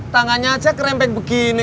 tangannya aja kerempeng begini